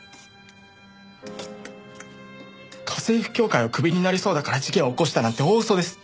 家政婦協会をクビになりそうだから事件を起こしたなんて大嘘です。